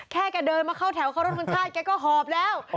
แค่แกเดินมาเข้าแถวเข้ารถมือชาติแกก็หอบแล้ว